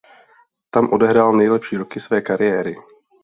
Tam odehrál nejlepší roky své kariéry.